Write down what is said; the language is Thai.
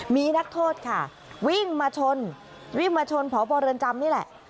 มีนักโทษค่ะวิ่งมาชนวิ่งมาชนพบเรือนจำนี่แหละ